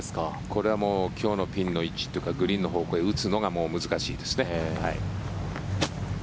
これは今日のピンの位置というかグリーンの方向に打つのが難しいですね。